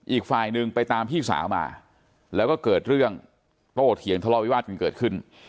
อีกฝ่ายหนึ่งไปตามพี่สาวมาแล้วก็เกิดเรื่องโตเถียงทะเลาวิวาสกันเกิดขึ้น